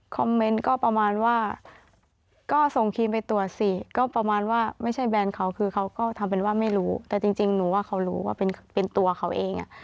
เมนต์ก็ประมาณว่าก็ส่งครีมไปตรวจสิก็ประมาณว่าไม่ใช่แบรนด์เขาคือเขาก็ทำเป็นว่าไม่รู้แต่จริงหนูว่าเขารู้ว่าเป็นตัวเขาเอง